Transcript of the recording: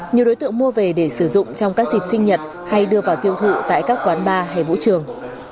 nhiều đối tượng mua về để sử dụng trong các dịp sinh nhật hay đưa vào tiêu thụ tại các quán bar hay vũ trường